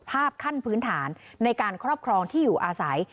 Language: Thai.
ขั้นพื้นฐานในการครอบครองที่อยู่อาศัย